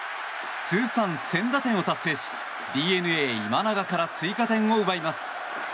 通算１０００打点を達成しＤＥＮＡ、今永から追加点を奪います。